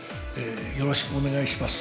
よろしくお願いします。